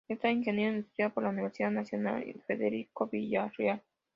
Es ingeniero industrial por la Universidad Nacional Federico Villarreal.